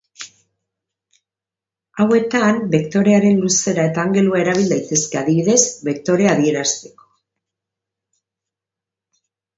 Hauetan bektorearen luzera eta angelua erabil daitezke, adibidez, bektorea adierazteko.